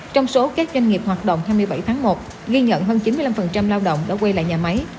trong số các doanh nghiệp hoạt động hai mươi bảy tháng một ghi nhận hơn chín mươi năm lao động đã quay lại nhà máy